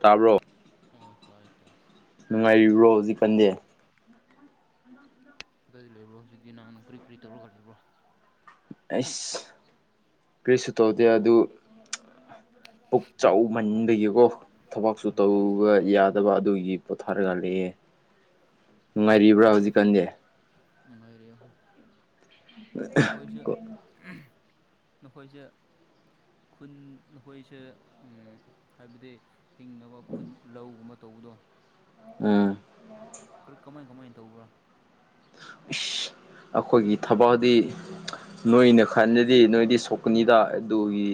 ꯇꯥꯕ꯭ꯔꯣ ꯑꯣ ꯇꯥꯏ ꯇꯥꯏ ꯅꯨꯡꯉꯥꯏꯔꯤꯕ꯭ꯔꯣ ꯍꯧꯖꯤꯛꯀꯟꯗꯤ ꯀꯗꯥꯏꯗ ꯂꯩꯕ꯭ꯔꯣ ꯍꯧꯖꯤꯛꯇꯤ ꯅꯪ ꯅꯪ ꯀꯔꯤ ꯀꯔꯤ ꯇꯧꯔꯒ ꯂꯩꯕ꯭ꯔꯣ ꯑꯩꯁ ꯀꯔꯤꯁꯨ ꯇꯧꯗꯦ ꯑꯗꯨ ꯄꯨꯛ ꯆꯥꯎꯃꯟꯕꯒꯤꯀꯣ ꯊꯕꯥꯛꯁꯨ ꯑꯣ ꯇꯧꯕ ꯌꯥꯗꯕ ꯑꯗꯨꯒꯤ ꯄꯣꯊꯥꯔꯒ ꯂꯩꯑꯦ ꯅꯨꯡꯉꯥꯏꯔꯤꯕ꯭ꯔꯥ ꯍꯧꯖꯤꯛꯀꯥꯟꯗꯤ ꯀꯔꯤ ꯑꯈꯣꯏꯅ ꯅꯈꯣꯏꯁꯨ ꯅꯈꯣꯏꯁꯨ ꯈꯨꯟ ꯅꯈꯣꯏꯁꯦ ꯎꯝ ꯍꯥꯏꯕꯗꯤ ꯍꯤꯡꯅꯕ ꯈꯨꯟ ꯂꯧꯒꯨꯝꯕ ꯇꯧꯕꯗꯣ ꯎꯝ ꯀꯔꯤ ꯀꯃꯥꯏ ꯀꯃꯥꯏꯅ ꯇꯧꯕ꯭ꯔꯣ ꯏꯁ ꯑꯈꯣꯏꯒꯤ ꯊꯕꯛꯗꯤ ꯅꯣꯏꯅ ꯈꯟꯗꯗꯤ ꯅꯣꯏꯗꯤ ꯁꯣꯛꯀꯅꯤꯗꯥ ꯑꯗꯨꯒꯤ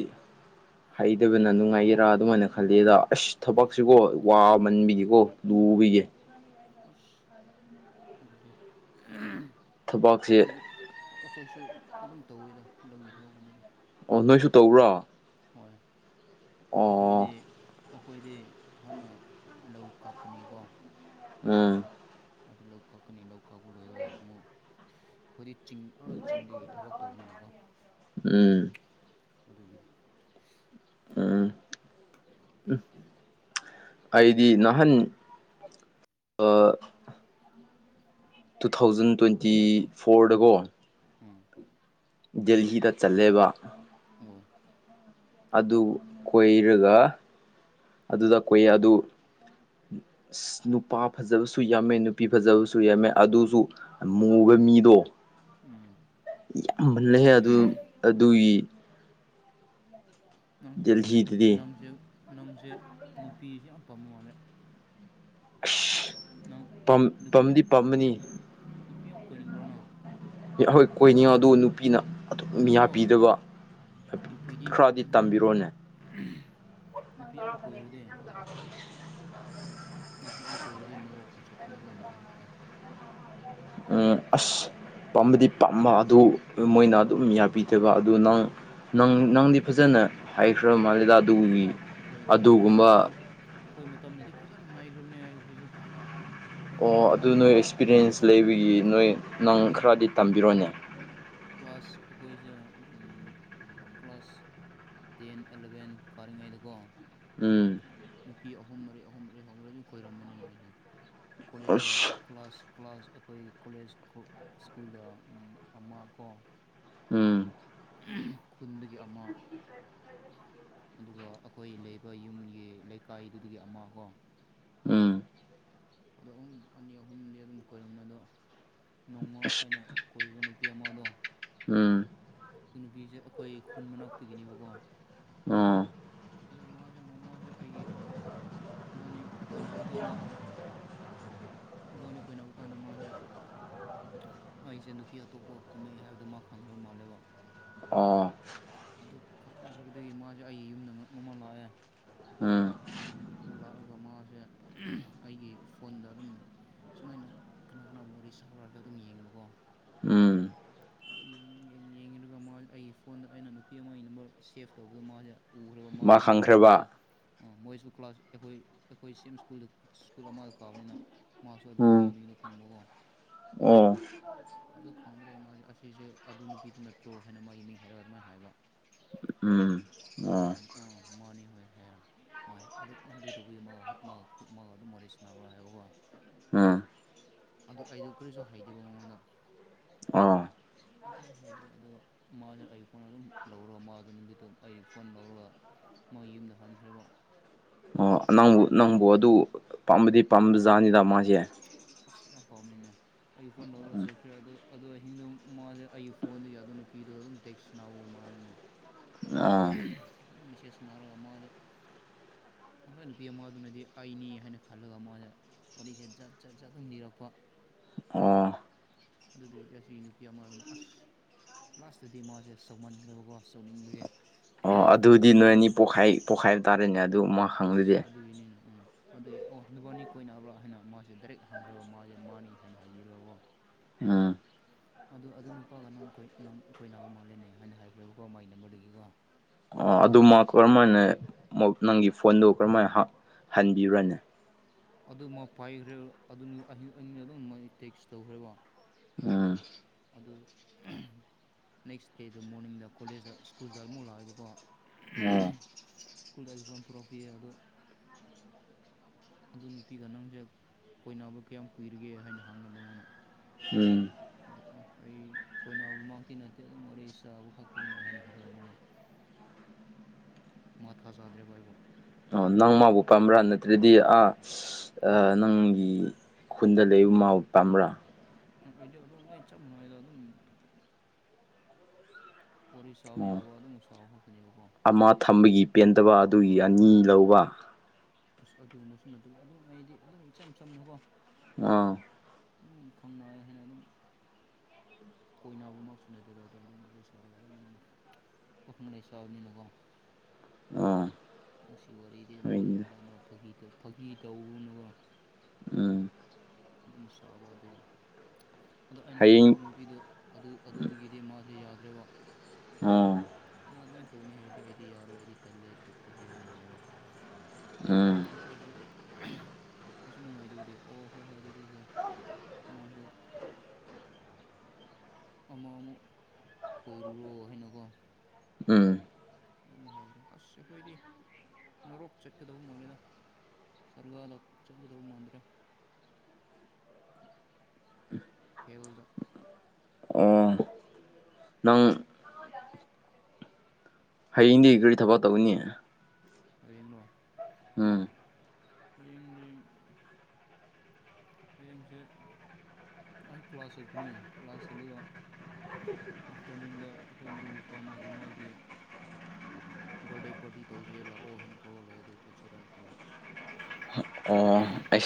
ꯍꯩꯇꯕꯅ ꯅꯨꯡꯉꯥꯏꯒꯦꯔꯥ ꯑꯗꯨꯃꯥꯏꯅ ꯈꯜꯂꯤꯗ ꯑꯁ ꯊꯕꯛꯁꯤꯀꯣ ꯋꯥꯃꯟꯕꯤꯒꯀꯣ ꯂꯨꯒꯤꯌꯦ ꯑꯁ ꯑꯗꯨꯗꯤ ꯊꯕꯛꯁꯦ ꯑꯩꯈꯣꯏꯗꯤ ꯑꯩꯈꯣꯏꯁꯨ ꯑꯗꯨꯝ ꯇꯧꯋꯦꯗ ꯂꯧꯒꯤ ꯊꯕꯛꯀꯨꯝꯕꯗꯤ ꯑꯣ ꯅꯣꯏꯁꯨ ꯇꯧꯕ꯭ꯔꯣ ꯍꯣꯏ ꯑꯣ ꯑꯩꯈꯣꯏꯗꯤ ꯑꯩꯈꯣꯏꯗꯤ ꯍꯥꯟꯅ ꯂꯧ ꯀꯛꯀꯅꯤꯀꯣ ꯎꯝ ꯑꯗꯨ ꯂꯧ ꯀꯛꯀꯅꯤ ꯂꯧ ꯀꯛꯄ ꯂꯣꯏꯔꯒ ꯑꯃꯨꯛ ꯑꯩꯈꯣꯏꯗꯤ ꯆꯤꯡ ꯆꯤꯡꯗꯒꯤ ꯊꯕꯛ ꯇꯧꯕꯅꯤꯅꯀꯣ ꯎꯝ ꯑꯗꯨꯒꯤꯅꯦ ꯎꯝ ꯎꯝ ꯑꯩꯗꯤ ꯅꯍꯥꯟ ꯑ ꯇꯨ ꯊꯥꯎꯖꯟ ꯇ꯭ꯋꯦꯟꯇꯤ ꯐꯣꯔꯗꯀꯣ ꯎꯝ ꯗꯦꯍꯤꯗ ꯆꯠꯂꯦꯕ ꯋꯥ ꯑꯗꯨ ꯀꯣꯏꯔꯒ ꯑꯗꯨꯗ ꯀꯣꯏ ꯑꯗꯨ ꯅꯨꯄꯥ ꯐꯖꯕꯁꯨ ꯌꯥꯝꯃꯦ ꯅꯨꯄꯤ ꯐꯖꯕꯁꯨ ꯌꯥꯝꯃꯦ ꯑꯗꯨꯁꯨ ꯃꯨꯕ ꯃꯤꯗꯣ ꯎꯝ ꯌꯥꯝꯃꯜꯂꯍꯦ ꯑꯗꯨ ꯑꯗꯨꯒꯤ ꯅꯪꯁꯦ ꯗꯦꯜꯍꯤꯗꯗꯤ ꯅꯪꯁꯦ ꯅꯪꯁꯦ ꯅꯨꯄꯤꯁꯦ ꯌꯥꯝ ꯄꯥꯝꯕ ꯃꯥꯜꯂꯦ ꯅꯪ ꯅꯨꯄꯤ ꯄꯥꯝꯗꯤ ꯌꯥꯝ ꯅꯨꯄꯤ ꯄꯥꯝꯃꯅꯤ ꯌꯥꯝ ꯅꯨꯄꯤ ꯑꯃ ꯀꯣꯏꯅꯤꯡꯕ꯭ꯔꯅꯣ ꯍꯣꯏ ꯀꯣꯏꯅꯤꯉ ꯑꯗꯨ ꯅꯨꯄꯤꯅ ꯑꯗꯨꯝ ꯃꯤ ꯑꯗꯨꯀꯣ ꯍꯥꯞꯄꯤꯗꯕ ꯅꯨꯄꯤꯗꯤ ꯈꯔꯗꯤ ꯅꯨꯄꯤꯗꯤ ꯌꯥꯝ ꯇꯝꯕꯤꯔꯣꯅꯦ ꯅꯨꯄꯤ ꯌꯥꯝ ꯀꯣꯏꯔꯗꯤ ꯅꯨꯄꯤ ꯌꯥꯝ ꯀꯣꯏꯏꯔꯗꯤ ꯅꯣꯔꯣꯛꯇ ꯆꯠꯀꯅꯤꯀꯣ ꯅꯣꯔꯣꯛꯇ ꯎꯝ ꯑꯁ ꯄꯥꯝꯕꯗꯤ ꯄꯥꯝꯕ ꯑꯗꯨ ꯃꯣꯏꯅ ꯑꯗꯨꯝ ꯌꯥꯕꯤꯗꯕ ꯑꯗꯨ ꯅꯪ ꯅꯪ ꯅꯪꯗꯤ ꯐꯖꯅ ꯍꯥꯏꯩꯈ꯭ꯔꯕ ꯃꯥ ꯂꯤꯂꯥ ꯑꯗꯨꯒꯤ ꯑꯩꯈꯣꯏꯗꯤ ꯑꯁ ꯑꯗꯨꯒꯨꯝꯕ ꯑꯩꯈꯣꯏ ꯑꯩꯈꯣꯏ ꯃꯇꯝꯗꯗꯤ ꯐꯖꯅ ꯅꯥꯏꯈ꯭ꯔꯕꯅꯤ ꯑꯩꯈꯣꯏꯁꯨ ꯑꯣ ꯑꯗꯨ ꯅꯣꯏ ꯑꯩꯈꯣꯏꯗꯤ ꯑꯦꯛꯁꯄꯤꯔꯤꯌꯦꯟꯁ ꯂꯩꯕꯒꯤ ꯅꯣꯏ ꯅꯪ ꯑꯩꯈꯣꯏꯁꯦ ꯈꯔꯗꯤ ꯇꯝꯕꯤꯔꯣꯅꯦ ꯀ꯭ꯂꯥꯁ ꯑꯩꯈꯣꯏꯁꯦ ꯀ꯭ꯂꯥꯁ ꯇꯦꯟ ꯑꯦꯂꯕꯦꯟ ꯀꯥꯔꯤꯉꯩꯗꯀꯣ ꯎꯝ ꯅꯨꯄꯤ ꯑꯍꯨꯝ ꯃꯩ ꯑꯍꯨꯝ ꯃꯩ ꯑꯍꯨꯝ ꯃꯩ ꯑꯗꯨꯝ ꯀꯣꯏꯔꯝꯕꯅꯤꯅ ꯑꯩꯁꯨ ꯀꯣꯂꯦꯖꯇ ꯑꯁ ꯀ꯭ꯂꯥꯁ ꯀ꯭ꯂꯥꯁ ꯑꯩꯈꯣꯏ ꯀꯣꯂꯦꯖ ꯁ꯭ꯀꯨꯜꯗ ꯑꯃ ꯀꯣ ꯎꯝ ꯈꯨꯟꯗꯒꯤ ꯑꯃ ꯑꯗꯨꯒ ꯑꯩꯈꯣꯏ ꯂꯩꯕ ꯌꯨꯝꯒꯤ ꯂꯩꯀꯥꯏꯗꯨꯗꯒꯤ ꯑꯃ ꯀꯣ ꯎꯝ ꯑꯗꯣ ꯑꯍꯨꯝ ꯑꯅꯤ ꯑꯍꯨꯝꯗꯤ ꯑꯗꯨꯝ ꯀꯣꯏꯔꯝꯃꯤꯅ ꯑꯗꯣ ꯅꯣꯡꯃ ꯑꯁ ꯑꯩꯅ ꯀꯣꯏꯕ ꯅꯨꯄꯤ ꯑꯃꯗꯣ ꯎꯝ ꯑꯗꯨ ꯅꯨꯄꯤꯁꯦ ꯑꯩꯈꯣꯏ ꯈꯨꯟ ꯃꯅꯥꯎꯛꯇꯒꯤꯅꯦꯕꯀꯣ ꯑꯣ ꯑꯗꯨ ꯃꯥꯁꯦ ꯅꯣꯡꯃꯁꯦ ꯑꯩꯒꯤ ꯏꯕꯥꯅꯤ ꯀꯣꯏꯅꯕ ꯀꯥꯟꯗ ꯏꯕꯕꯥꯣꯅꯤ ꯀꯣꯏꯅꯕ ꯀꯥꯟꯗ ꯃꯣꯏꯁꯦ ꯑꯩꯁꯦ ꯅꯨꯄꯤ ꯑꯇꯣꯞꯄ ꯀꯨꯝꯃꯛꯑꯦ ꯍꯥꯏꯕꯗꯨ ꯃꯥ ꯈꯪꯈ꯭ꯔ ꯃꯥꯜꯂꯦꯕ ꯑꯣ ꯑꯗꯨ ꯈꯪꯈ꯭ꯔꯕꯗꯒꯤ ꯃꯥꯁꯦ ꯑꯩꯒꯤ ꯌꯨꯝꯗ ꯉꯛꯅꯕꯃ ꯂꯥꯛꯑꯦ ꯎꯝ ꯑꯗꯨ ꯂꯥꯛꯑꯒ ꯃꯥꯁꯦ ꯑꯩꯒꯤ ꯐꯣꯟꯗ ꯑꯗꯨꯝ ꯁꯨꯃꯥꯏꯅ ꯀꯅꯥ ꯀꯅꯥꯕꯨ ꯋꯥꯔꯤ ꯁꯥꯔ ꯍꯥꯏꯗ ꯑꯗꯨꯝ ꯌꯦꯡꯕꯀꯣ ꯎꯝ ꯑꯗꯨ ꯌꯦꯡ ꯌꯦꯡꯉꯦ ꯑꯗꯨꯒ ꯃꯥ ꯑꯩꯒꯤ ꯐꯣꯟꯗ ꯑꯩꯅ ꯅꯨꯄꯤ ꯑꯃꯒꯤ ꯅꯝꯕꯔ ꯁꯦꯞ ꯇꯧꯕꯗꯣ ꯃꯥꯁꯦ ꯎꯈꯔ ꯃꯥ ꯃꯥꯁꯨ ꯋꯥ ꯑꯗꯨꯅ ꯄꯤꯁ ꯈꯪꯈ꯭ꯔꯕ ꯃꯣꯏꯁꯨꯕꯨ ꯀ꯭ꯂꯥꯁ ꯑꯩꯈꯣꯏ ꯑꯩꯈꯣꯏ ꯁꯦꯝ ꯁ꯭ꯀꯨꯜꯗ ꯁ꯭ꯀꯨꯜ ꯑꯃꯗ ꯀꯥꯕꯅꯤꯅ ꯃꯥꯁꯨ ꯑꯗꯨꯅ ꯄꯤ ꯎꯝ ꯃꯤꯅꯣ ꯈꯪꯕꯀꯣ ꯑꯣ ꯑꯗꯨ ꯈꯪꯕꯗ ꯃꯥꯁ ꯑꯁꯤꯁꯦ ꯑꯗꯨ ꯅꯨꯄꯤꯗꯨ ꯅꯠꯇ꯭ꯔꯣ ꯍꯥꯏꯅ ꯃꯥꯒꯤ ꯃꯤꯡ ꯍꯥꯏꯔꯒ ꯑꯗꯨꯃꯥꯏꯅ ꯍꯥꯏꯕ ꯎꯝ ꯑꯗꯨꯒꯤ ꯑꯣ ꯑꯩꯅ ꯑꯥ ꯃꯥꯅꯤ ꯍꯣꯏ ꯍꯥꯏꯔ ꯃꯥꯥꯏ ꯑꯗꯨ ꯅꯪ ꯀꯔꯤ ꯇꯧꯕꯤꯌꯨ ꯃꯥ ꯃꯥ ꯃꯥꯒ ꯑꯗꯨꯝ ꯃꯣꯔꯦ ꯁꯅꯥꯎꯔꯣꯏ ꯍꯥꯏꯕꯀꯣ ꯎꯝ ꯑꯗꯨ ꯑꯩꯗꯨ ꯀꯔꯤꯁꯨ ꯍꯥꯏꯗꯦꯕ ꯃꯉꯣꯟꯗ ꯑꯣ ꯍꯥꯏꯗ꯭ꯔꯦ ꯑꯗꯨꯒ ꯃꯥꯁ ꯑꯩ ꯐꯣꯟ ꯑꯗꯨꯝ ꯂꯧꯔꯣ ꯃꯥꯗꯣ ꯅꯨꯃꯤꯠꯇꯨ ꯑꯩ ꯐꯣꯟ ꯂꯧꯔꯒ ꯃꯣꯏ ꯌꯨꯝꯗ ꯍꯧꯟꯈ꯭ꯔꯕꯣ ꯑꯣ ꯅꯪꯕꯨ ꯅꯪꯕꯨ ꯑꯗꯨ ꯄꯥꯝꯕꯗꯤ ꯄꯥꯝꯝꯕ ꯖꯥꯠꯅꯤꯗ ꯃꯥꯁꯦ ꯑ ꯌꯥꯝ ꯄꯥꯝꯅꯤꯅ ꯑꯩ ꯐꯣꯟ ꯂꯧꯔꯒ ꯆꯠꯈ꯭ꯔꯦ ꯑ ꯑꯗꯨꯣ ꯑꯍꯤꯡꯗꯣ ꯃꯥꯁꯦ ꯑꯩꯒꯤ ꯐꯣꯟꯗꯨ ꯌꯥꯗꯣ ꯅꯨꯄꯤꯗꯨꯗ ꯑꯗꯨꯝ ꯇꯦꯛꯁ ꯅꯥꯎ ꯃꯥꯅꯦ ꯑꯥ ꯑꯗꯨꯝ ꯃꯤꯁꯦꯁꯅꯔꯒ ꯃ ꯃꯈꯣꯏ ꯅꯨꯄꯤ ꯑꯃꯗꯨꯅꯗꯤ ꯑꯩꯅꯤ ꯍꯥꯏꯅ ꯈꯜꯂꯒ ꯃꯥꯗ ꯋꯥꯔꯤꯁꯦ ꯖꯠ ꯖꯠ ꯖꯥꯠ ꯑꯗꯨꯝ ꯅꯤꯔꯛꯄ ꯑꯣ ꯑꯗꯨꯗ ꯏꯇꯤꯍꯁꯤ ꯅꯨꯄꯤ ꯑꯃ ꯑꯗꯨꯅ ꯑꯁ ꯂꯥꯁꯇꯗꯤ ꯃꯥꯁꯦ ꯁꯧꯃꯟꯈ꯭ꯔꯕꯀꯣ ꯁꯧꯅꯤꯡꯕꯒꯤꯦ ꯑꯣ ꯑꯗꯨꯗꯤ ꯅꯣꯏ ꯑꯅꯤ ꯄꯣꯛꯈꯥꯏ ꯄꯣꯛꯈꯥꯏꯕ ꯇꯥꯔꯦꯅꯦ ꯑꯗꯨ ꯃꯥ ꯈꯪꯗꯗꯤ ꯅꯤꯅ ꯎ ꯑꯗꯨꯏ ꯑꯣ ꯅꯨꯄꯥꯅꯤ ꯀꯣꯏꯅꯅꯕ꯭ꯔꯥ ꯍꯥꯏꯅ ꯃꯥꯁꯦ ꯗꯥꯏꯔꯦꯛ ꯍꯪꯈ꯭ꯔꯕ ꯃꯥꯁꯦ ꯃꯥꯅꯤ ꯍꯥꯏꯅ ꯍꯥꯏꯕꯤꯔꯕꯣ ꯎꯝ ꯑꯗ ꯑꯗꯨ ꯅꯨꯄꯥꯒ ꯅꯪꯣꯏ ꯅꯪ ꯑꯩꯈꯣꯏ ꯅꯥꯕ ꯃꯥꯂꯦꯅꯦ ꯍꯥꯏꯅ ꯍꯥꯏꯈ꯭ꯔꯦꯕꯀꯣ ꯃꯒꯤ ꯅꯝꯕꯔꯗꯒꯤꯀꯣ ꯑꯣ ꯑꯗꯨꯃ ꯀꯔꯝꯍ ꯍꯥꯏꯅ ꯅꯪꯒꯤ ꯐꯣꯟꯗꯣ ꯀꯔꯝ ꯍꯥꯏꯅ ꯍꯟꯕꯤꯔ꯭ꯔꯅꯦ ꯑꯗꯨ ꯃꯥ ꯄꯥꯏꯈ꯭ꯔꯦ ꯑꯗꯨ ꯑꯍꯤꯡ ꯑꯍꯤꯡ ꯑꯗꯨꯝ ꯃ ꯇꯦꯛꯁ ꯇꯧꯈ꯭ꯔꯦꯕ ꯎꯝ ꯑꯗꯨ ꯅꯦꯛꯁ ꯗꯦꯗ ꯃꯣꯔꯅꯤꯡꯗ ꯀꯣꯂꯦꯖꯇ ꯁ꯭ꯀꯨꯜꯗ ꯑꯃꯨꯛ ꯂꯥꯛꯑꯦꯕꯀꯣ ꯑꯣ ꯁ꯭ꯀꯨꯜꯗꯒꯤ ꯑꯩ ꯐꯝ ꯄꯨꯔꯛꯄꯤꯑ ꯑꯗꯣ ꯑꯗꯨ ꯅꯨꯄꯤꯒ ꯅꯪꯁꯦ ꯀꯣꯏꯅꯕ ꯀꯌꯥꯝ ꯀꯨꯏꯔꯤꯒꯦ ꯍꯥꯏꯅ ꯍꯪꯉꯦꯕ ꯃꯥꯅ ꯎꯝ ꯑꯗꯨ ꯑ ꯑꯩ ꯀꯣꯏꯅꯕꯃꯛꯇꯤ ꯅꯠꯇꯦ ꯑꯗꯨꯝ ꯋꯥꯔꯤꯦ ꯆꯥꯕ ꯈꯛꯇꯅꯤ ꯍꯥꯏꯅ ꯍꯥꯏꯔꯒ ꯃꯣꯏꯅ ꯃ ꯍꯖꯥꯎꯗ꯭ꯔꯦ ꯑꯣꯏꯕ ꯑꯣ ꯅꯪ ꯃꯥꯕꯨ ꯄꯥꯝꯕ꯭ꯔꯥ ꯅꯠꯇ꯭ꯔꯗꯤ ꯑꯥ ꯅꯪꯒꯤ ꯈꯨꯟꯗ ꯂꯩꯌꯨ ꯃꯥ ꯄꯥꯝ꯭ꯔꯥ ꯎ ꯑꯣꯏꯗꯤ ꯑꯗꯨꯝ ꯉꯥꯏ ꯆꯞ ꯃꯥꯟꯅ ꯍꯥꯏꯗꯣ ꯑꯗꯨꯝ ꯋꯥꯔꯤ ꯆꯥꯎꯕ ꯑꯣ ꯌꯥꯕ ꯑꯗꯨꯝꯐ ꯆꯥꯎꯕ ꯈꯥꯛꯇꯅꯦꯕꯀꯣ ꯑꯃ ꯊꯝꯕꯒꯤ ꯄꯦꯟꯗꯕ ꯑꯗꯨꯒꯤ ꯑꯅꯤ ꯂꯧꯕ ꯑꯁ ꯑꯗꯨꯒꯨꯝꯕꯁꯨ ꯅꯠꯇꯕ ꯑꯗꯨꯝ ꯑꯩꯗꯤ ꯑꯗꯨꯝ ꯏꯆꯝ ꯆꯝꯅꯨꯀꯣ ꯑꯥ ꯑꯗꯨꯝ ꯈꯣꯡꯅꯥꯏ ꯍꯥꯏꯅ ꯑꯗꯨꯝ ꯀꯣꯏꯅꯕꯃꯛꯁꯨ ꯅꯠꯇꯦꯗꯣ ꯑꯗꯣ ꯑꯗꯨꯝ ꯋꯥꯔꯤ ꯁꯥꯔꯒ ꯑꯗꯨꯝ ꯄꯥꯈꯪ ꯂꯩ ꯁꯥꯕꯅꯤꯅꯀꯣ ꯑꯥ ꯅꯨꯡꯁꯤ ꯋꯥꯔꯤꯗꯤ ꯑꯃ ꯍꯣꯏꯅꯦ ꯃꯔꯛ ꯃꯔꯛ ꯐꯥꯀꯤ ꯇꯧ ꯐꯥꯒꯤꯀꯤ ꯇꯧꯒꯨꯝꯅꯀꯣ ꯎꯝ ꯑꯗꯨꯝ ꯆꯥꯕ ꯑꯗꯨꯩ ꯑꯗꯣ ꯑꯩꯅ ꯈꯣꯏꯅꯥꯎ ꯍꯌꯦꯡ ꯅꯨꯄꯤꯗꯣ ꯑꯗꯨ ꯑꯗꯨꯗꯨꯒꯤꯗꯤ ꯃꯥꯁꯦ ꯌꯥꯗ꯭ꯔꯦꯕ ꯑ [unintelligible] ꯅ ꯑꯗꯨꯃꯥꯏꯅ ꯇꯧꯅꯤ ꯍꯥꯏꯔꯗꯤ ꯑꯩꯗꯤ ꯌꯥꯔꯣꯏ ꯑꯩꯗꯤ ꯇꯜꯂꯦ ꯇꯣꯛꯈ꯭ꯔꯨꯁꯦ ꯍꯥꯏꯅ ꯍꯥꯏꯕ ꯎꯝ ꯑꯗꯨ ꯑꯩꯁꯨ ꯑꯩꯁꯨ ꯅꯨꯡꯉꯥꯏꯗꯕꯗꯤ ꯑꯣ ꯍꯣꯏ ꯍꯣꯏ ꯑꯗꯨꯗꯤ ꯍꯣꯏ ꯅꯁꯨ ꯑꯃ ꯑꯃꯨꯛ ꯑꯣꯏꯔꯨꯔꯣ ꯍꯥꯏꯅꯀꯣ ꯎꯝ ꯑꯗꯨꯝ ꯍꯥꯏꯈ꯭ꯔꯦ ꯑꯁ ꯑꯩꯈꯣꯏꯗꯤ ꯅꯣꯔꯣꯛꯞ ꯆꯠꯀꯗꯕ ꯃꯣꯜꯂꯤꯦꯗꯣ ꯁꯔꯒꯥꯗ ꯆꯠꯒꯗꯧꯕ ꯃꯥꯟꯗ꯭ꯔꯦ ꯈꯦꯜꯗ ꯑꯣ ꯅꯪ ꯍꯌꯦꯡꯗꯤ ꯒꯥꯔꯤ ꯊꯕꯛ ꯇꯧꯅꯤ ꯍꯌꯦꯡꯅꯣ ꯎꯝ ꯍꯌꯦꯡꯗꯤ ꯍꯌꯦꯡꯁꯦ ꯑꯩ ꯀ꯭ꯂꯥꯁ ꯆꯠꯀꯅꯤ ꯀ꯭ꯂꯥꯁ ꯆꯠꯂꯒ ꯑꯥꯐꯇꯔꯅꯨꯟꯗ ꯑꯩꯈꯣꯏ ꯃꯔꯨꯞ ꯅꯨꯄꯥ ꯃꯥꯁꯦ ꯃꯥꯣꯏꯒꯤ ꯕꯔꯗꯦ ꯄꯥꯔꯇꯤ ꯇꯧꯖꯦ ꯂꯥꯛꯑꯣ ꯍꯥꯏꯅ ꯀꯧꯔꯜꯂꯦ ꯑꯗꯨ ꯆꯠꯁꯤꯔꯅ ꯈꯜꯂꯤ ꯑꯣ ꯑꯩ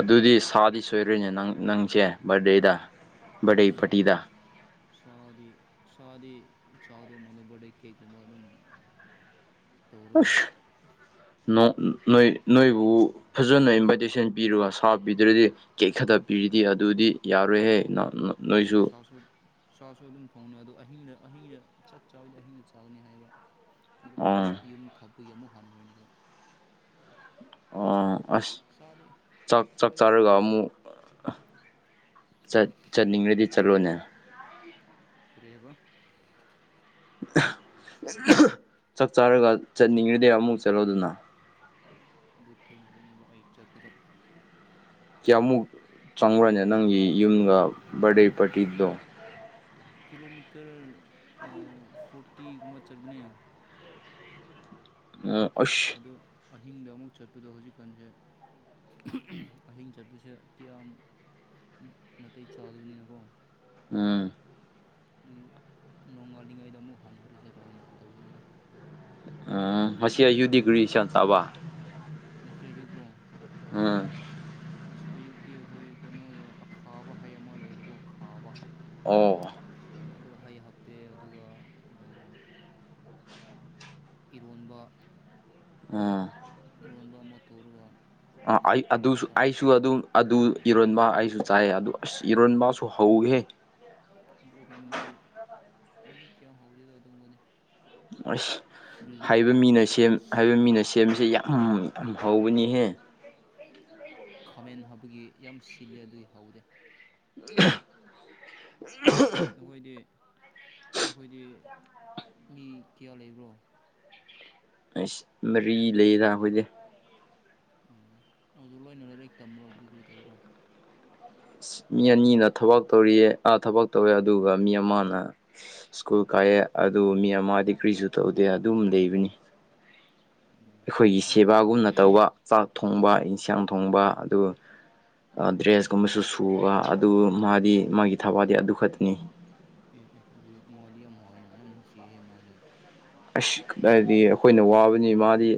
ꯑꯗꯨꯗꯤ ꯁꯥꯗꯤ ꯁꯣꯏꯔꯣꯏꯅꯦ ꯅꯪꯁꯦ ꯕꯥꯔꯗꯦꯗ ꯕꯥꯔꯗꯦ ꯄꯥꯔꯇꯤꯗ ꯁꯣꯗꯁ ꯁꯔꯤ ꯁꯥꯔꯤ ꯆꯥ ꯑꯗꯨ ꯃꯅ ꯕꯩ ꯀꯦ ꯀꯨꯝꯕ ꯑꯗꯨꯝ ꯈ ꯇꯧꯔꯒ [unintelligible] ꯅꯣꯏ ꯅꯣꯏꯕꯨ ꯐꯖꯅ ꯏꯟꯚꯥꯏꯇꯦꯁꯟ ꯄꯤꯔꯒ ꯁꯥ ꯄꯤꯗ꯭ꯔꯗꯤ ꯀꯦꯛ ꯈꯛꯇ ꯄꯤꯔꯤꯗꯤ ꯑꯗꯨꯗꯤ ꯌꯥꯔꯣꯏꯍꯦ ꯅ ꯅꯣꯏꯁꯨ ꯇꯁꯨ ꯆꯥꯁꯨ ꯑꯗꯨꯝ ꯊꯣꯡꯅꯤ ꯑꯗꯣ ꯑꯍꯤꯡꯗ ꯑꯍꯤꯡꯗ ꯆꯥꯛ ꯆꯥꯕꯗꯤ ꯑꯍꯤꯡꯗ ꯆꯥꯕꯅꯤ ꯍꯥꯏꯌꯦꯕ ꯑꯗꯣ ꯑꯩꯗꯤ ꯑꯥ ꯌꯨꯝ ꯊꯄꯒꯤ ꯑꯃꯨꯛ ꯍꯟꯈ꯭ꯔꯅꯤꯕ ꯑꯣ ꯑꯁ ꯆꯥꯗꯤ ꯆꯞ ꯆꯥꯗꯤ ꯆꯥꯔꯒ ꯑꯃꯨꯛ ꯆꯠꯅꯤꯡꯂꯗꯤ ꯆꯠꯂꯣꯅꯦ ꯐꯔ ꯍꯦꯒꯣ ꯆꯥꯛ ꯆꯥꯔꯒ ꯆꯠꯅꯤꯡꯉꯗꯤ ꯑꯃꯨꯛ ꯆꯠꯂꯣꯗꯅ ꯑꯗꯨ ꯊꯦꯡꯌꯨꯅꯤ ꯑꯩ ꯆꯠ꯭ꯔꯣ ꯀꯌꯥꯃꯨꯛ ꯆꯪꯉꯨꯔꯅꯤ ꯅꯪꯒꯤ ꯌꯨꯝꯒ ꯕꯥꯔꯗꯦ ꯄꯥꯔꯇꯤꯗꯣ ꯀꯤꯂꯣꯃꯤꯇꯔ ꯐꯣꯔꯇꯤꯒꯨꯝꯕ ꯆꯠꯒꯅꯦ ꯎꯝ ꯑꯣꯁ ꯑꯗꯣ ꯑꯍꯤꯡꯗ ꯑꯃꯨꯛ ꯆꯠꯄꯗꯣ ꯍꯧꯖꯤꯛꯀꯥꯟꯁꯦ ꯑꯍꯤꯡ ꯆꯠꯄꯁꯦ ꯀꯌꯥꯝ ꯅꯥꯇꯩ ꯆꯥꯗꯕꯅꯤꯅꯀꯣ ꯎꯝ ꯑꯗꯨꯒꯤ ꯅꯣꯡꯉꯥꯜꯂꯤꯉꯩꯗ ꯑꯃꯨꯛ ꯍꯥꯡꯅꯈ꯭ꯔꯁꯤꯔꯣ ꯍꯥꯏꯅ ꯇꯧꯕꯅꯤꯗ ꯎꯝ ꯃꯁꯤ ꯂꯪꯔꯤ ꯑꯌꯨ ꯀꯔꯤꯀ ꯗꯤꯒ꯭ꯔꯤꯁꯟ ꯇꯥꯕ ꯃꯁ ꯆꯩ ꯌꯨ꯭ꯔꯣ ꯎꯝ ꯉꯁꯤ ꯑꯌꯨꯛꯇꯤ ꯑꯩꯈꯣꯏ ꯀꯩꯅꯣꯒ ꯑꯈꯥꯕ ꯍꯩ ꯑꯃ ꯂꯩꯌꯦꯕꯀꯣ ꯑꯈꯥꯕ ꯑꯣ ꯑꯗꯨ ꯍꯩ ꯍꯥꯞꯄꯦ ꯑꯗꯨꯒ ꯏꯔꯣꯟꯕ ꯑꯥ ꯏꯔꯣꯟꯕ ꯑꯃ ꯇꯧꯔꯒ ꯑꯩ ꯑꯗꯨꯁꯨ ꯆꯥꯏ ꯑꯩꯁꯨ ꯑꯗꯨꯝ ꯑꯗꯨ ꯏꯔꯣꯟꯕ ꯑꯩꯁꯨ ꯆꯥꯏ ꯑꯗꯨ ꯑꯁ ꯏꯔꯣꯟꯕꯁꯨ ꯍꯧꯒꯦ ꯑꯗꯨ ꯑꯣꯏꯔꯝꯕꯗꯤ ꯑꯩꯗꯤ ꯀꯌꯥ ꯍꯧꯗꯗꯣ ꯑꯗꯨꯒꯨꯝꯕꯅꯤ ꯑꯁ ꯍꯥꯏꯕ ꯃꯣꯏꯁꯦ ꯃꯤꯅ ꯁꯦꯝ ꯍꯥꯏꯕ ꯃꯤꯅ ꯁꯤꯜꯂꯦꯕ ꯁꯦꯝꯕꯁꯦ ꯌꯥꯝ ꯌꯥꯝ ꯍꯧꯕꯅꯤꯍꯦ ꯈꯥꯃꯦꯟ ꯍꯥꯞꯄꯒꯤ ꯌꯥꯝ ꯁꯤꯜꯂꯦ ꯑꯗꯨꯏ ꯍꯧꯗꯦ ꯎ ꯅꯈꯣꯏꯗꯤ ꯅꯈꯣꯏꯗꯤ ꯃꯤ ꯀꯌꯥ ꯂꯩꯕ꯭ꯔꯣ ꯑꯁ ꯃꯔꯤ ꯂꯩꯌꯦꯗ ꯑꯈꯣꯏꯗꯤ ꯎꯝ ꯑꯗꯨ ꯂꯣꯏꯅ ꯂꯥꯔꯤꯛ ꯇꯝꯕ꯭ꯔꯣ ꯀꯔꯤ ꯀꯔꯤ ꯇꯧꯕ꯭ꯔꯣ ꯃꯤ ꯑꯅꯤꯅ ꯊꯕꯛ ꯇꯧꯔꯤꯌꯦ ꯑꯥ ꯊꯕꯛ ꯇꯧꯋꯦ ꯑꯗꯨꯒ ꯃꯤ ꯑꯃꯅ ꯁ꯭ꯀꯨꯜ ꯀꯥꯏꯑꯦ ꯑꯗꯨ ꯃꯤ ꯑꯃꯗꯤ ꯀ꯭ꯔꯤꯁꯨ ꯇꯧꯗꯦ ꯑꯗꯨꯝ ꯂꯩꯕꯅꯤ ꯎꯝ ꯑꯩꯈꯣꯏꯒꯤ ꯑꯗꯨ ꯁꯦꯕꯥꯒꯨꯝꯅ ꯇꯧꯕ ꯆꯥꯛ ꯊꯣꯡꯕ ꯏꯟꯁꯥꯡ ꯊꯣꯡꯕ ꯑꯗꯨꯒ ꯑ ꯗ꯭ꯔꯦꯁꯀꯨꯝꯕꯁꯨ ꯁꯨꯕ ꯑꯗꯨ ꯃꯥꯗꯤ ꯃꯥꯒꯤ ꯊꯕꯥꯗꯤ ꯑꯗꯨꯈꯛꯇꯅꯤ ꯑꯦ ꯑꯦ ꯑꯗꯨꯗꯤ ꯃꯗꯤ ꯌꯥꯝ ꯋꯥꯏꯌꯦꯅ ꯌꯥꯝ ꯅꯨꯡꯁꯤꯍꯦ ꯃꯥꯖꯦ ꯑꯁ ꯀꯗꯥꯏꯗꯩ ꯑꯩꯈꯣꯏꯅ ꯋꯥꯕꯅꯤ ꯃꯥꯗꯤ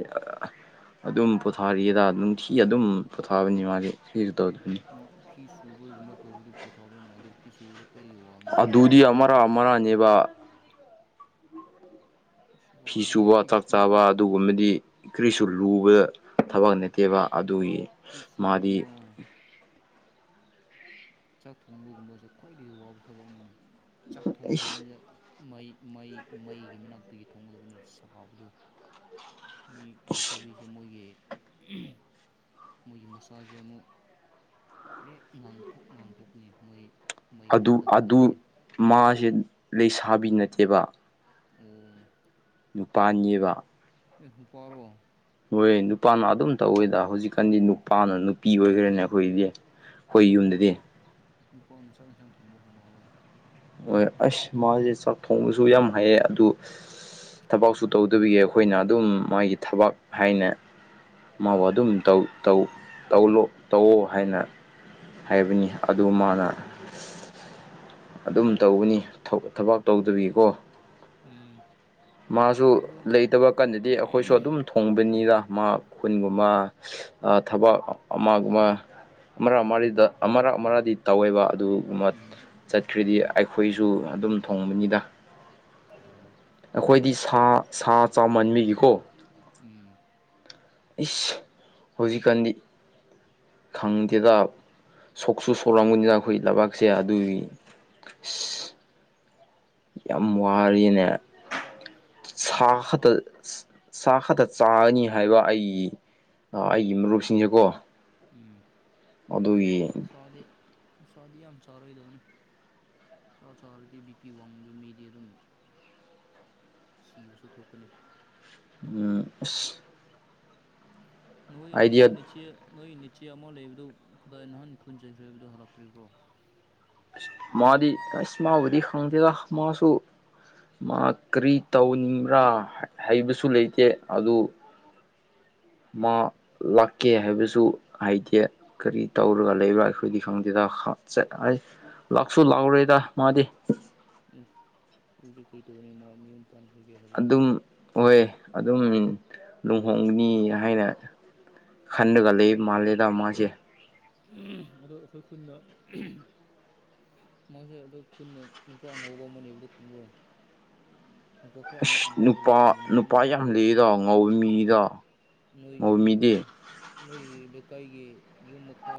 ꯑꯗꯨꯝ ꯄꯣꯊꯥꯔꯤꯗ ꯅꯨꯡꯊꯤꯒꯤ ꯑꯗꯨꯝ ꯄꯣꯊꯥꯕꯅꯤ ꯃꯥꯁꯦ ꯀ꯭ꯔꯤꯁꯨ ꯇꯧꯗꯝꯅꯤ ꯃꯥ ꯐꯤ ꯁꯨꯕꯒꯨꯝꯕ ꯇꯧꯕꯗꯣ ꯄꯣꯊꯥꯕ꯭ꯔꯣꯅꯦ ꯑꯗꯨ ꯐꯤ ꯁꯨꯕꯗꯣ ꯈꯣꯏꯗꯤ ꯋꯥꯏ ꯑꯗꯨꯗꯤ ꯑꯃꯔ ꯑꯃꯔꯅꯦꯕ ꯑꯁ ꯐꯤ ꯋꯥꯕꯅꯦ ꯁꯨꯕ ꯆꯥꯛ ꯆꯥꯕ ꯁꯨꯕ ꯑꯗꯨꯒꯨꯝꯕꯗꯤ ꯀ꯭ꯔꯤꯁꯨ ꯂꯨꯕ ꯊꯕꯛ ꯅꯠꯇꯦꯕ ꯑꯗꯨꯒꯤ ꯐꯤ ꯃꯥꯗꯤ ꯁꯨꯕꯒꯨꯝꯕ ꯆꯥꯛ ꯊꯣꯡꯕꯒꯨꯝꯕꯁꯦ ꯈ꯭ꯋꯥꯏꯗꯒꯤ ꯋꯥꯕ ꯊꯕꯛꯅꯤꯅ ꯆꯥꯛ ꯊꯣꯡꯕ ꯍꯥꯏꯕꯖꯤꯗ ꯃꯩ ꯃꯩ ꯃꯩꯒꯤ ꯃꯅꯥꯛꯇꯒꯤ ꯊꯣꯡꯒꯗꯕꯅꯤꯅ ꯁꯥꯕꯗꯨ ꯃꯤ ꯂꯩꯁꯥꯕꯤꯁꯦ ꯃꯣꯏꯒꯤ ꯃꯣꯏꯒꯤ ꯃꯁꯥꯖꯦ ꯑꯃꯨꯛ ꯔꯦꯠ ꯉꯥꯡꯊꯣꯛ ꯉꯥꯡꯊꯣꯛꯀꯅꯤ ꯃꯣꯏ ꯃꯩ ꯑꯗꯨ ꯃꯅꯥꯛꯇ ꯑꯗꯨꯝ ꯑꯗꯨ ꯂꯩꯔꯗꯤ ꯃꯥꯁꯦ ꯂꯩꯁꯥꯕꯤ ꯅꯠꯇꯦꯕ ꯑꯣ ꯅꯨꯄꯥꯅꯤꯕ ꯑꯦ ꯅꯨꯄꯥꯔꯣ ꯍꯣꯏ ꯅꯨꯄꯥꯅ ꯑꯗꯨꯝ ꯇꯧꯋꯦꯗ ꯍꯧꯖꯤꯛꯀꯥꯟꯗꯤ ꯅꯨꯄꯥꯅ ꯅꯨꯄꯤ ꯑꯣꯏꯒ꯭ꯔꯦꯅꯦ ꯑꯩꯈꯣꯏꯒꯤꯗꯤ ꯅꯨꯄꯥꯅ ꯆꯥꯛ ꯅꯨꯄꯥꯅ ꯆꯥꯛ ꯌꯦꯟꯁꯥꯡ ꯊꯣꯡꯕ ꯍꯧꯅꯕ꯭ꯔꯣ ꯍꯣꯏ ꯑꯁ ꯃꯥꯖꯦ ꯆꯥꯛ ꯊꯣꯡꯕꯁꯨ ꯌꯥꯝ ꯍꯩꯌꯦ ꯑꯗꯨ ꯊꯕꯛꯁꯨ ꯇꯧꯗꯕꯤꯒꯤ ꯑꯩꯈꯣꯏꯅ ꯑꯗꯨꯝ ꯃꯥꯒꯤ ꯊꯕꯛ ꯍꯥꯏꯅ ꯃꯥꯕꯨ ꯑꯗꯨꯝ ꯇꯧ ꯇꯧ ꯇꯧꯂꯣ ꯇꯧꯋꯣ ꯍꯥꯏꯅ ꯍꯥꯏꯕꯅꯤ ꯑꯗꯨ ꯃꯅꯥ ꯎꯝ ꯑꯗꯨꯝ ꯇꯧꯕꯅꯤ ꯊꯧ ꯊꯥꯕꯛ ꯇꯧꯗꯕꯤꯀꯣ ꯎꯝ ꯃꯥꯁꯨ ꯑꯗꯣ ꯂꯩꯇꯕ ꯀꯥꯟꯗꯗꯤ ꯑꯩꯈꯣꯏꯁꯨ ꯑꯗꯨꯝ ꯊꯣꯡꯕꯅꯤꯗ ꯃꯥ ꯈꯨꯟꯒꯨꯝꯕ ꯑ ꯊꯕꯛ ꯑꯃꯒꯨꯝꯕ ꯃꯔꯛ ꯃꯔꯤꯗ ꯑꯃꯔꯛ ꯑꯃꯔꯗꯤ ꯇꯧꯋꯦꯕ ꯑꯗꯨ ꯃꯠ ꯎꯝ ꯆꯠꯈ꯭ꯔꯗꯤ ꯑꯩꯈꯣꯏꯁꯨ ꯑꯗꯨꯝ ꯊꯣꯡꯕꯅꯤꯗ ꯑꯣ ꯑꯩꯈꯣꯏꯗꯤ ꯑꯗꯨ ꯁꯥ ꯁꯥ ꯆꯥꯃꯟꯕꯤꯒꯤꯀꯣ ꯎꯝ ꯏꯁ ꯍꯧꯖꯤꯛꯀꯥꯟꯗꯤ ꯈꯪꯗꯦꯗ ꯁꯣꯛꯁꯨ ꯁꯣꯛꯂꯝꯒꯅꯤꯗ ꯑꯩꯈꯣꯏ ꯂꯕꯥꯛꯁꯦ ꯑꯗꯨꯏ ꯌꯥꯝ ꯋꯥꯔꯦꯅꯦ ꯁꯥ ꯈꯛꯇ ꯎꯁꯥ ꯁꯥꯥ ꯈꯠꯇ ꯆꯥꯒꯅꯤ ꯍꯥꯏꯕ ꯑꯩ ꯑ ꯑꯩꯒꯤ ꯃꯥꯔꯨꯞꯁꯤꯡꯖꯦꯀꯣ ꯎꯝ ꯁꯥꯗꯤ ꯃꯁꯥꯗꯤ ꯌꯥꯝ ꯆꯥꯔꯣꯏꯗꯕꯅꯤ ꯁꯥ ꯆꯥꯔꯗꯤ ꯕꯤꯄꯤ ꯋꯥꯡꯕ ꯃꯤꯗꯤ ꯑꯗꯨꯝ ꯁꯤꯕꯁꯨ ꯊꯣꯛꯀꯅꯤ ꯎꯝ ꯑꯁ ꯅꯣꯏ ꯑꯥꯏꯗꯤꯌꯥ ꯅꯣꯏ ꯅꯆꯦ ꯅꯣꯏ ꯅꯆꯦ ꯑꯃ ꯂꯩꯕꯗꯨ ꯀꯗꯥꯏ ꯅꯍꯥꯟ ꯈꯨꯟ ꯆꯩꯈ꯭ꯔꯦ ꯍꯥꯏꯕꯗꯨ ꯍꯜꯂꯛꯇ꯭ꯔꯤꯕ꯭ꯔꯣ ꯑꯁ ꯃꯥꯗꯤ ꯑꯁ ꯃꯕꯨꯗꯤ ꯈꯪꯗꯦꯗ ꯃꯥꯁꯨ ꯃꯥ ꯀꯔꯤ ꯇꯧꯅꯤꯡꯕ꯭ꯔꯥ ꯍꯩ ꯍꯩꯕꯁꯨ ꯂꯩꯇꯦ ꯑꯗꯨ ꯃꯥ ꯂꯥꯛꯀꯦ ꯍꯥꯏꯕꯁꯨ ꯍꯥꯏꯗꯦ ꯀꯔꯤ ꯇꯧꯔꯒ ꯂꯩꯕ꯭ꯔꯥ ꯑꯩꯈꯣꯏꯗꯤ ꯈꯪꯗꯦꯗ ꯍꯥ ꯆꯠ ꯑꯥꯏ ꯂꯥꯛꯁꯨ ꯂꯥꯎꯔꯦꯗ ꯃꯥꯗꯤ ꯎꯝ ꯑꯗꯨꯗꯤ ꯀꯔꯤ ꯇꯧꯒꯅꯤ ꯃꯥ ꯃꯌꯨꯝ ꯄꯄꯟꯔꯒ ꯑꯗꯨꯝ ꯍꯣꯏ ꯑꯗꯨꯝ ꯂꯨꯍꯣꯡꯒꯅꯤ ꯍꯥꯏꯅ ꯈꯟꯂꯒ ꯂꯩ ꯑꯣ ꯃꯥꯜꯂꯦꯗ ꯃꯥꯁꯦ ꯑꯗꯣ ꯑꯩꯈꯣꯏ ꯈꯨꯟꯅ ꯃꯣꯏꯁꯦ ꯑꯗꯨ ꯈꯨꯟꯅ ꯅꯨꯄꯥ ꯑꯉꯧꯕ ꯑꯃꯅꯦꯕꯗꯨ ꯈꯪꯕ꯭ꯔꯣ ꯅꯨꯄꯥ ꯈ ꯑꯁ ꯑꯃꯛ ꯑꯉꯥꯎꯕ ꯂꯩ ꯅꯨꯄꯥ ꯅꯨꯄꯥ ꯌꯥꯝ ꯅꯣꯏ ꯂꯩꯌꯦꯗ ꯉꯧꯕ ꯃꯤꯗ ꯣꯏ ꯉꯧꯕ ꯃꯤꯗꯤ ꯅꯣꯏ ꯂꯩꯀꯥꯏꯒꯤ ꯌꯨꯝ ꯃꯈꯥ